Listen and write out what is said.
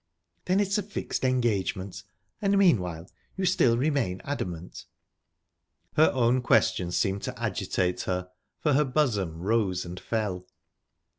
"Then it's a fixed engagement...And meanwhile, you still remain adamant?" Her own question seemed to agitate her, for her bosom rose and fell.